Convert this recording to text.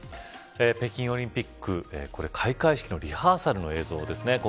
北京オリンピック開会式のリハーサルの映像ですね。